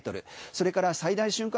それから最大瞬間